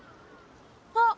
あっ！